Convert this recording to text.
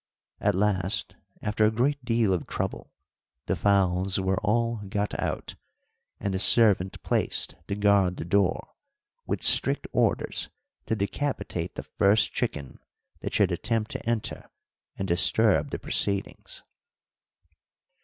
At last, after a great deal of trouble, the fowls were all got out, and the servant placed to guard the door, with strict orders to decapitate the first chicken that should attempt to enter and disturb the proceedings.